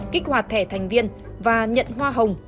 kích hoạt thẻ thành viên và nhận hoa hồng